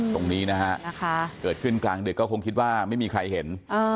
ตรงนี้นะฮะเกิดขึ้นกลางดึกก็คงคิดว่าไม่มีใครเห็น